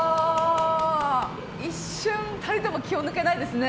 一瞬たりとも気を抜けないですね。